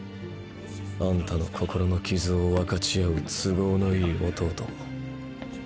あんたの心の傷を分かち合う都合のいい弟も。